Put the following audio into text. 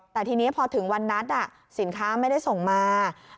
แต่ทีนี้พอถึงวันนัดสินค้าไม่ได้ส่งมา